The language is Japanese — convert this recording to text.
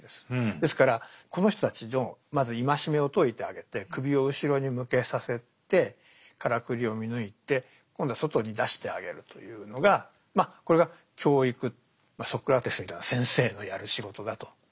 ですからこの人たちのまず縛めを解いてあげて首を後ろに向けさせてカラクリを見抜いて今度は外に出してあげるというのがこれが教育ソクラテスみたいな先生のやる仕事だと。